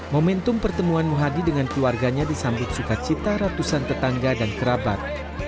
momentum pertemuan muhadi dengan keluarganya disambut sukacita ratusan tetangga dan kerabat